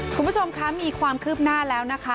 คุณผู้ชมคะมีความคืบหน้าแล้วนะคะ